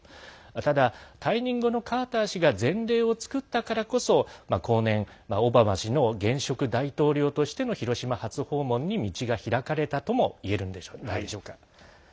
ただ、退任後のカーター氏が前例を作ったからこそ後年、オバマ氏の現職大統領としての広島初訪問に道が開かれたともいえるんでしょう。